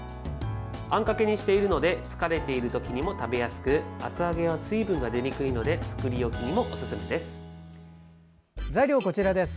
あんかけにしているので疲れている時にも食べやすく厚揚げは水分が出にくいので作り置きにもおすすめです。